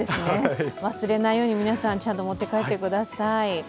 忘れないように皆さんちゃんと持って帰ってください。